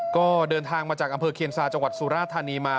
ก็เดินทางมาจากอำเภอเคียนซาจังหวัดสุราธานีมา